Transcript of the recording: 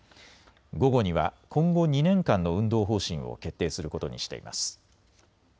午後には今後２年間の運動方針を決定することにしています。